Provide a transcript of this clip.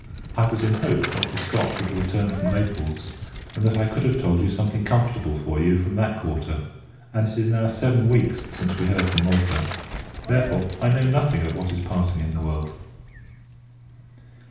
I was in hopes Dr. Scott would have returned from Naples; and that I could have told you something comfortable for you, from that quarter: and it is now seven weeks since we heard from Malta. Therefore, I know nothing of what is passing in the world.